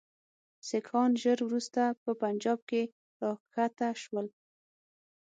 سیکهان ژر وروسته په پنجاب کې را کښته شول.